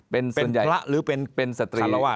เป็นพระหรือเป็นสตรีรวาส